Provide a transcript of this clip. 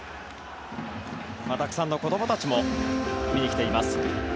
たくさんの子供たちも見に来ています。